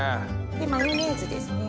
マヨネーズですね。